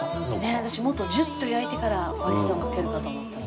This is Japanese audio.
私もっとジュッと焼いてから割り下をかけるかと思ったら。